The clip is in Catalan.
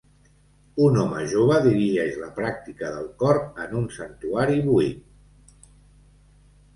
Un home jove dirigeix la pràctica del cor en un santuari buit.